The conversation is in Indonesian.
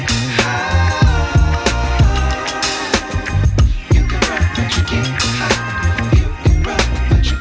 jangan minum es dulu sayang